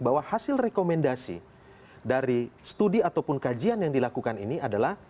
bahwa hasil rekomendasi dari studi ataupun kajian yang dilakukan ini adalah